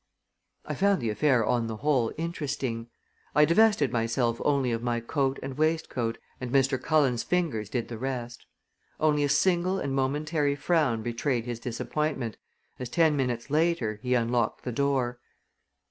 I found the affair, on the whole, interesting. I divested myself only of my coat and waistcoat and Mr. Cullen's fingers did the rest. Only a single and momentary frown betrayed his disappointment as, ten minutes later, he unlocked the door.